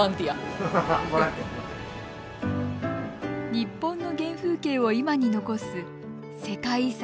日本の原風景を今に残す世界遺産